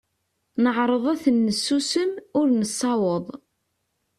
Neɛreḍ ad ten-nessusem, ur nessaweḍ.